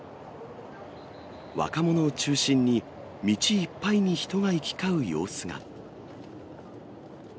若者を中心に、道いっぱいに人が行き交う様子が。